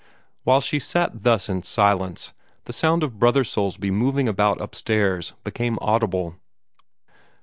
While she sat thus in silence, the sound of Brother Soulsby moving about upstairs became audible.